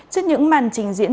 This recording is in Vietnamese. trước những màn trình diễn